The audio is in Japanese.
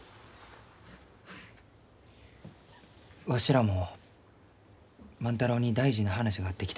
わしらも万太郎に大事な話があって来たがじゃ。